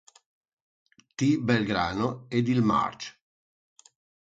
T. Belgrano ed il march.